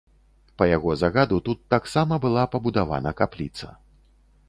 Па яго загаду тут таксама была пабудавана капліца.